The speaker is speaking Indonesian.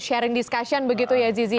sharing discussion begitu ya zizi